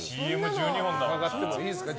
伺ってもいいですか。